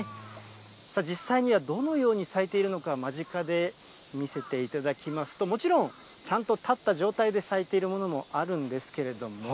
実際にはどのように咲いているのか、間近で見せていただきますと、もちろん、ちゃんと立った状態で咲いているものもあるんですけれども。